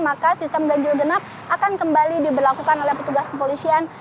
maka sistem ganjil genap akan kembali diberlakukan oleh petugas kepolisian